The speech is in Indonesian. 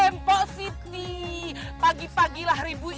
mpok siti pagi pagilah ribu